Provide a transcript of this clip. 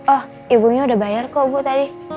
oh ibunya udah bayar kok bu tadi